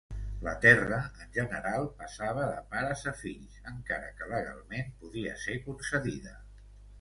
La terra en general passava de pares a fills, encara que legalment podia ser concedida.